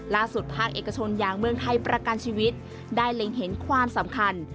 ภาคเอกชนอย่างเมืองไทยประกันชีวิตได้เล็งเห็นความสำคัญ